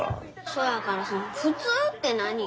そやからその普通って何？